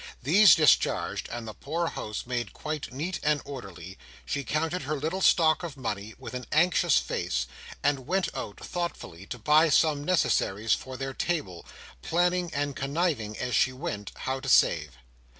These discharged, and the poor house made quite neat and orderly, she counted her little stock of money, with an anxious face, and went out thoughtfully to buy some necessaries for their table, planning and conniving, as she went, how to save.